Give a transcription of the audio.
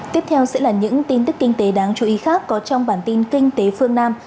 tiếp theo sẽ là những tin tức kinh tế đáng chú ý khác có trong bản tin kinh tế phương nam